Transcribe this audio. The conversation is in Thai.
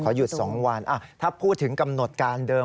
หยุด๒วันถ้าพูดถึงกำหนดการเดิม